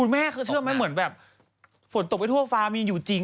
แม่เขาเชื่อไหมเหมือนแบบฝนตกไปทั่วฟ้ามีอยู่จริง